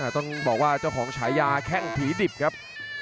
ต้องบอกว่าเจ้าของฉายาแข้งผีดิบครับ